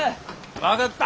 分かった！